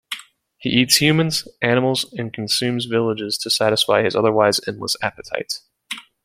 He eats humans, animals and consumes villages to satisfy his otherwise endless appetite.